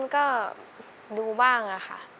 ก็ดูบ้างค่ะ